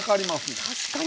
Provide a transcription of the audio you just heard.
確かに。